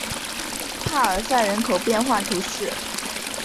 帕尔塞人口变化图示